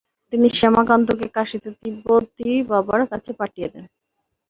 তিনি শ্যামাকান্তকে কাশীতে তিব্বতীবাবার কাছে পাঠিয়ে দেন।